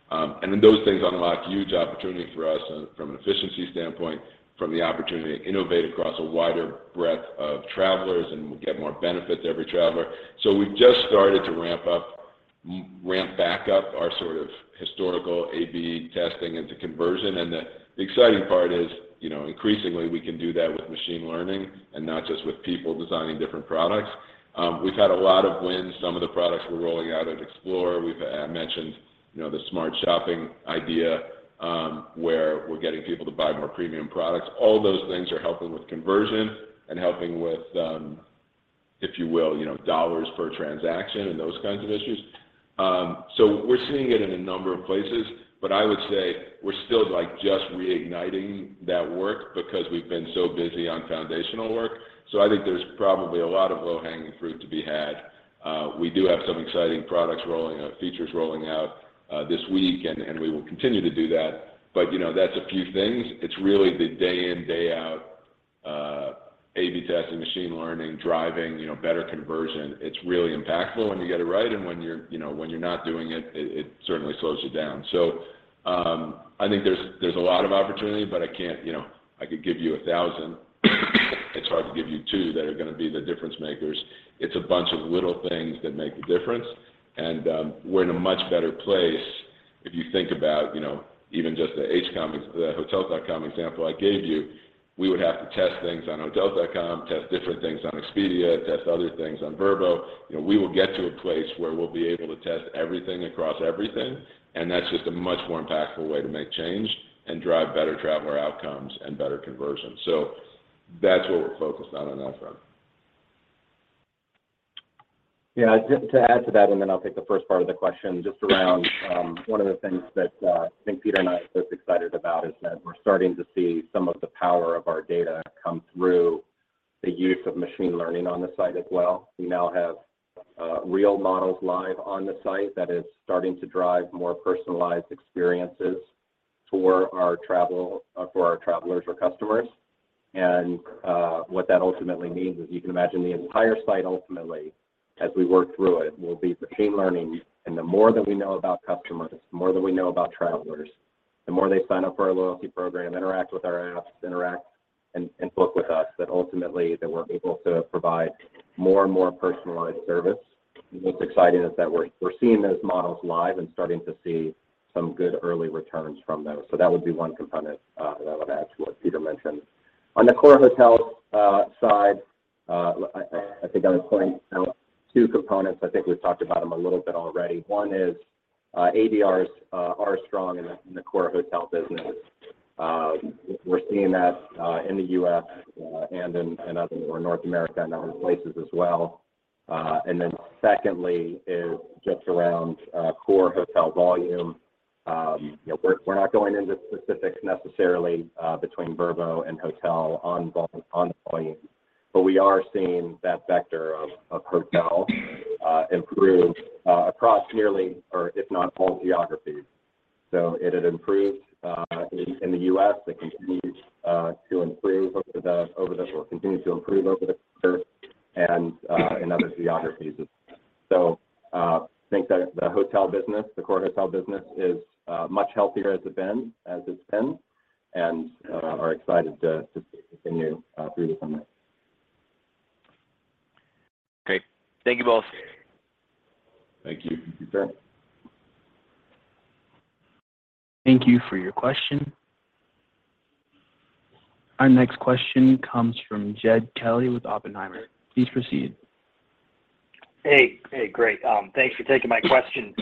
Those things unlock huge opportunity for us from an efficiency standpoint, from the opportunity to innovate across a wider breadth of travelers, and we get more benefit to every traveler. We've just started to ramp back up our sort of historical A/B testing into conversion. The exciting part is, you know, increasingly, we can do that with machine learning and not just with people designing different products. We've had a lot of wins. Some of the products we're rolling out at EXPLORE, we've mentioned, you know, the smart shopping idea, where we're getting people to buy more premium products. All those things are helping with conversion and helping with, if you will, you know, dollars per transaction and those kinds of issues. We're seeing it in a number of places, but I would say we're still, like, just reigniting that work because we've been so busy on foundational work. I think there's probably a lot of low-hanging fruit to be had. We do have some exciting products rolling out, features rolling out, this week, and we will continue to do that. You know, that's a few things. It's really the day in, day out, A/B testing, machine learning, driving, you know, better conversion. It's really impactful when you get it right, and when you're, you know, when you're not doing it certainly slows you down. I think there's a lot of opportunity, but I can't. You know, I could give you a thousand. It's hard to give you two that are gonna be the difference makers. It's a bunch of little things that make the difference. We're in a much better place if you think about, you know, even just the Hotels.com example I gave you. We would have to test things on Hotels.com, test different things on Expedia, test other things on Vrbo. You know, we will get to a place where we'll be able to test everything across everything, and that's just a much more impactful way to make change and drive better traveler outcomes and better conversion. That's what we're focused on on that front. Yeah. Just to add to that, and then I'll take the first part of the question, just around, one of the things that, I think Peter and I are both excited about is that we're starting to see some of the power of our data come through. The use of machine learning on the site as well. We now have real models live on the site that is starting to drive more personalized experiences for our travelers or customers. What that ultimately means is you can imagine the entire site ultimately as we work through it will be machine learning. The more that we know about customers, the more that we know about travelers, the more they sign up for our loyalty program, interact with our apps and book with us, that ultimately we're able to provide more and more personalized service. What's exciting is that we're seeing those models live and starting to see some good early returns from those. That would be one component that I would add to what Peter mentioned. On the core hotel side, I think I would point out two components. I think we've talked about them a little bit already. One is, ADRs are strong in the core hotel business. We're seeing that in the U.S. and in North America and other places as well. Secondly is just around core hotel volume. You know, we're not going into specifics necessarily between Vrbo and hotel on volume, but we are seeing that vector of hotel improve across nearly or if not all geographies. It had improved in the U.S. It continues to improve over the quarter and in other geographies as well. I think that the hotel business, the core hotel business is much healthier as it's been and are excited to see it continue through the summer. Great. Thank you both. Thank you. Sure. Thank you for your question. Our next question comes from Jed Kelly with Oppenheimer. Please proceed. Hey. Hey, great. Thanks for taking my question.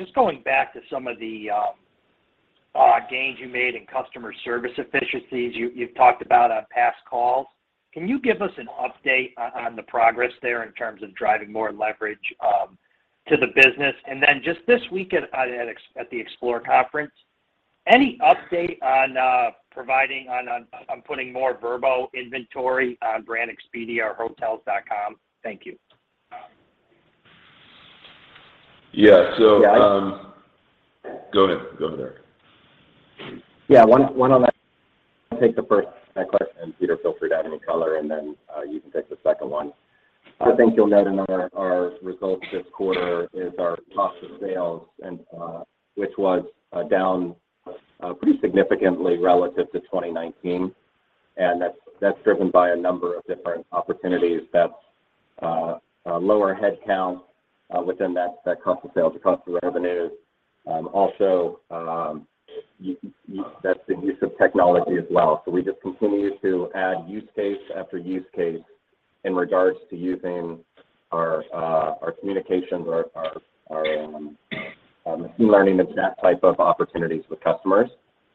Just going back to some of the gains you made in customer service efficiencies you've talked about on past calls, can you give us an update on the progress there in terms of driving more leverage to the business? Just this week at the EXPLORE Conference, any update on putting more Vrbo inventory on brand Expedia or Hotels.com? Thank you. Yeah. Yeah. Go ahead. Go ahead, Eric. Yeah. One on that. I'll take the first question, and Peter, feel free to add any color, and then, you can take the second one. The thing you'll note in our results this quarter is our cost of sales and, which was, down, pretty significantly relative to 2019, and that's driven by a number of different opportunities. That's lower headcount within that cost of sales, the cost of revenues. Also, that's the use of technology as well. We just continue to add use case after use case in regards to using our communications or our machine learning and that type of opportunities with customers,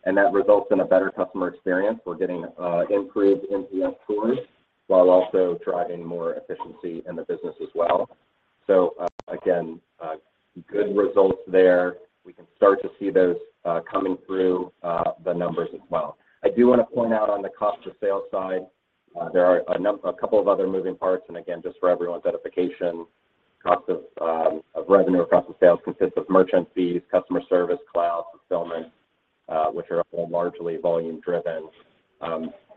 and that results in a better customer experience. We're getting improved NPS scores while also driving more efficiency in the business as well. Again, good results there. We can start to see those coming through the numbers as well. I do wanna point out on the cost of sales side, there are a couple of other moving parts, and again, just for everyone's edification, cost of revenue or cost of sales consists of merchant fees, customer service, cloud, fulfillment, which are all largely volume-driven.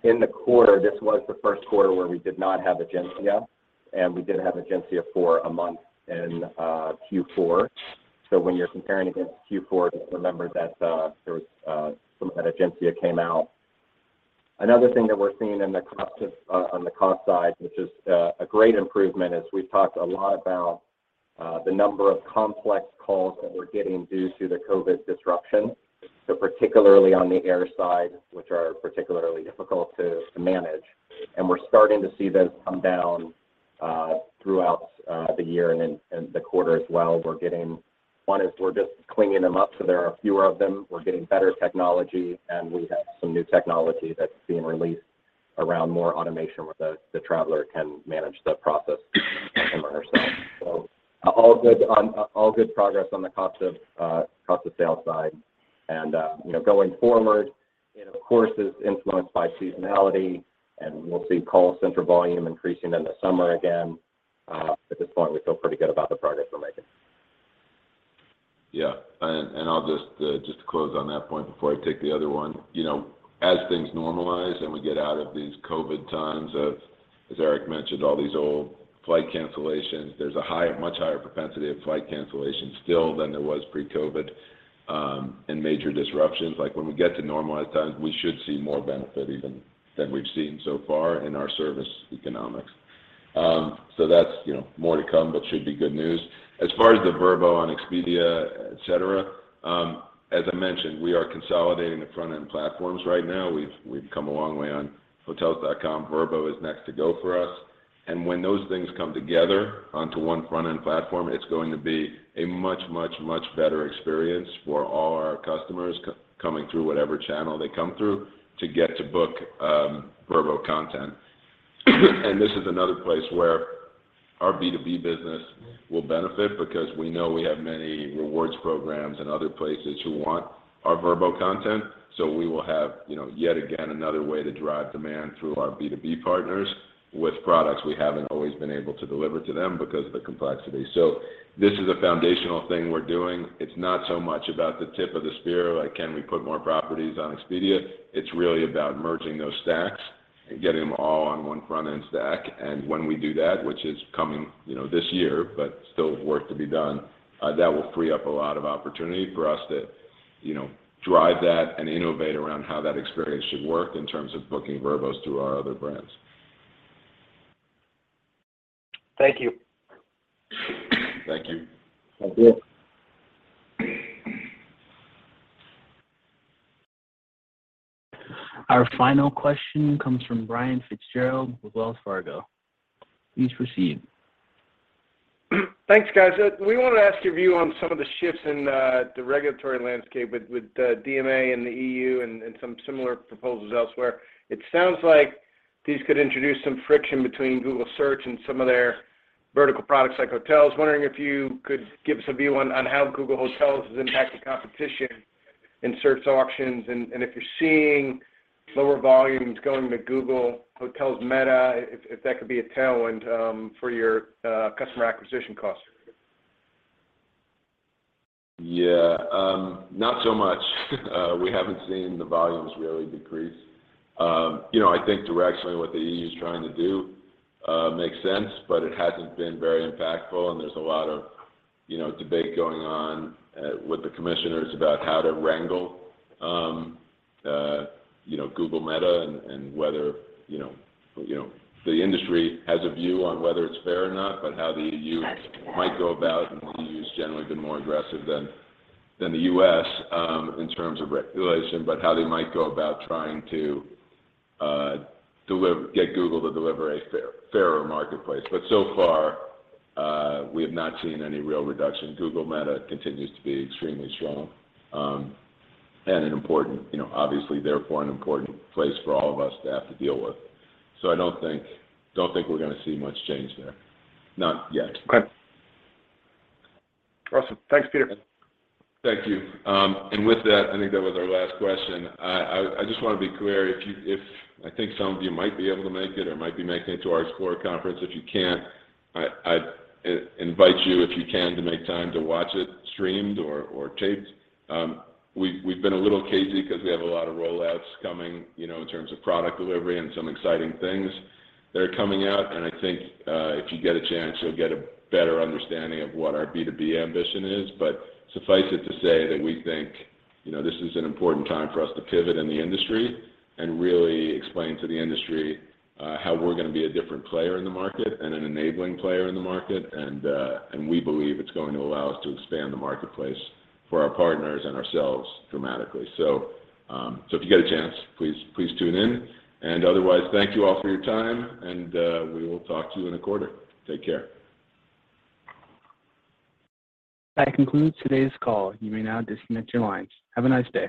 In the quarter, this was the first quarter where we did not have Egencia, and we did have Egencia for a month in Q4. When you're comparing against Q4, just remember that there was some of that Egencia came out. Another thing that we're seeing on the cost side, which is a great improvement, is we've talked a lot about the number of complex calls that we're getting due to the COVID disruption. Particularly on the air side, which are particularly difficult to manage, and we're starting to see those come down throughout the year and the quarter as well. One is we're just cleaning them up, so there are fewer of them. We're getting better technology, and we have some new technology that's being released around more automation where the traveler can manage the process him or herself. All good progress on the cost of sales side. You know, going forward, it of course is influenced by seasonality, and we'll see call center volume increasing in the summer again. At this point, we feel pretty good about the progress we're making. Yeah. I'll just to close on that point before I take the other one. You know, as things normalize and we get out of these COVID times of, as Eric mentioned, all these old flight cancellations, there's a much higher propensity of flight cancellations still than there was pre-COVID, and major disruptions. Like, when we get to normalized times, we should see more benefit even than we've seen so far in our service economics. That's, you know, more to come but should be good news. As far as the Vrbo on Expedia, et cetera, as I mentioned, we are consolidating the front-end platforms right now. We've come a long way on Hotels.com. Vrbo is next to go for us. When those things come together onto one front-end platform, it's going to be a much, much, much better experience for all our customers coming through whatever channel they come through to get to book Vrbo content. This is another place where our B2B business will benefit because we know we have many rewards programs in other places who want our Vrbo content. We will have, you know, yet again, another way to drive demand through our B2B partners with products we haven't always been able to deliver to them because of the complexity. This is a foundational thing we're doing. It's not so much about the tip of the spear, like can we put more properties on Expedia? It's really about merging those stacks and getting them all on one front-end stack. When we do that, which is coming, you know, this year, but still work to be done, that will free up a lot of opportunity for us to, you know, drive that and innovate around how that experience should work in terms of booking Vrbo's through our other brands. Thank you. Thank you. Thank you. Our final question comes from Brian Fitzgerald with Wells Fargo. Please proceed. Thanks, guys. We wanna ask your view on some of the shifts in the regulatory landscape with DMA and the EU and some similar proposals elsewhere. It sounds like these could introduce some friction between Google Search and some of their vertical products like Hotels. Wondering if you could give us a view on how Google Hotels has impacted competition in search auctions, and if you're seeing lower volumes going to Google Hotel Meta, if that could be a tailwind for your customer acquisition costs. Yeah. Not so much. We haven't seen the volumes really decrease. You know, I think directionally what the E.U. is trying to do makes sense, but it hasn't been very impactful, and there's a lot of, you know, debate going on with the commissioners about how to wrangle you know, Google Meta and whether you know the industry has a view on whether it's fair or not, but how the E.U. might go about, and the E.U.'s generally been more aggressive than the U.S. in terms of regulation, but how they might go about trying to get Google to deliver a fairer marketplace. So far, we have not seen any real reduction. Google Hotel Meta continues to be extremely strong, and an important, you know, obviously therefore an important place for all of us to have to deal with. I don't think we're gonna see much change there, not yet. Okay. Awesome. Thanks, Peter. Thank you. With that, I think that was our last question. I just wanna be clear. If I think some of you might be able to make it or might be making it to our EXPLORE conference, if you can't, I invite you, if you can, to make time to watch it streamed or taped. We've been a little cagey 'cause we have a lot of rollouts coming, you know, in terms of product delivery and some exciting things that are coming out, and I think, if you get a chance, you'll get a better understanding of what our B2B ambition is. Suffice it to say that we think, you know, this is an important time for us to pivot in the industry and really explain to the industry how we're gonna be a different player in the market and an enabling player in the market. We believe it's going to allow us to expand the marketplace for our partners and ourselves dramatically. If you get a chance, please tune in. Otherwise, thank you all for your time, and we will talk to you in a quarter. Take care. That concludes today's call. You may now disconnect your lines. Have a nice day.